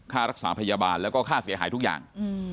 ค่ารักษาพยาบาลแล้วก็ค่าเสียหายทุกอย่าง